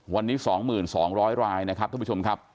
วันนี้สองหมื่นสองร้อยรายนะครับท่านผู้ชมครับ